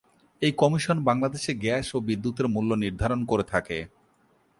এই কমিশন বাংলাদেশে গ্যাস ও বিদ্যুতের মূল্য নির্ধারণ করে থাকে।